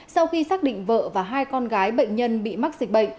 sau khi xác định vợ và hai con gái bệnh nhân bị mắc dịch bệnh